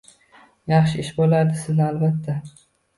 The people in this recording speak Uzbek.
Yaxshi ish bo’lardi… Sizni, albatta